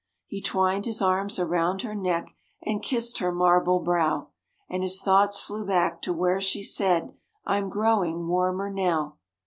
He twined his arms around her neck and kissed her marble brow, And his thoughts flew back to where she said, "I'm growing warmer now."